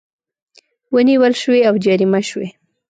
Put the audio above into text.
ونیول شوې او جریمه شوې